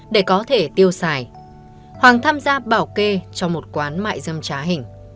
để có thể tiêu xài hoàng tham gia bảo kê cho một quán mại dâm trá hình